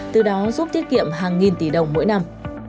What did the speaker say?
từ đó giúp tiết kiệm hàng nghìn tỷ đồng mỗi năm